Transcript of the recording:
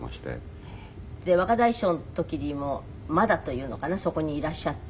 で『若大将』の時にもまだというのかなそこにいらっしゃって。